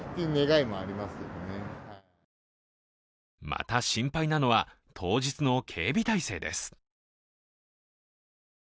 また、心配なのは当日の警備態勢です。